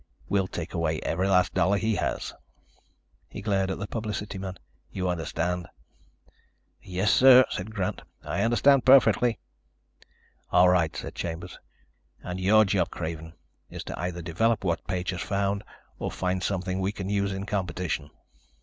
We'll take away every last dollar he has." He glared at the publicity man. "You understand?" "Yes, sir," said Grant, "I understand perfectly." "All right," said Chambers. "And your job, Craven, is to either develop what Page has found or find something we can use in competition."